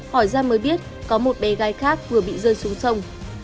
hỏi ra mới biết có một bé gái khác vừa bị rơi xuống sông